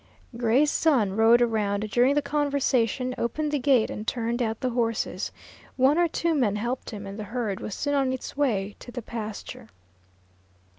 Gray's son rode around during the conversation, opened the gate, and turned out the horses. One or two men helped him, and the herd was soon on its way to the pasture.